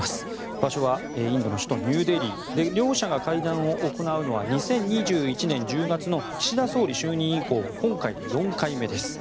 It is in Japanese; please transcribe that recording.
場所はインドの首都ニューデリー。両者が会談を行うのは２０２１年１０月の岸田総理就任以降今回で４回目です。